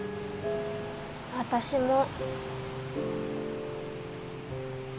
私も。